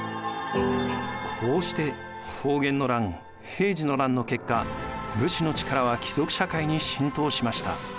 こうして保元の乱・平治の乱の結果武士の力は貴族社会に浸透しました。